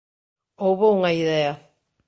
Houbo unha idea